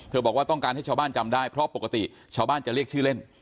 บอกว่าต้องการให้ชาวบ้านจำได้เพราะปกติชาวบ้านจะเรียกชื่อเล่น